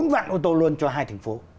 bốn vạn ô tô luôn cho hai thành phố